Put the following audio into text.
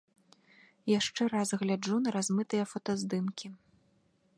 Яшчэ раз гляджу на размытыя фотаздымкі.